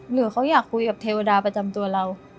หรือเขาอยากคุยกับเทวดาประจำตัวเรา